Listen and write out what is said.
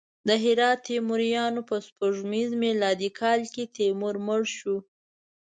د هرات تیموریان: په سپوږمیز میلادي کال کې تیمور مړ شو.